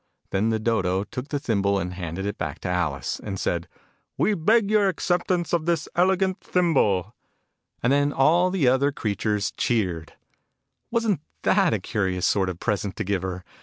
Then the Dodo took the thimble and handed it back to Alice, and said "We beg your accept ance of this elegant thimble !" And then all the other creatures cheered. Digitized by Google l6 THE NURSERY "ALICE." Wasn't that a curious sort of present to give her?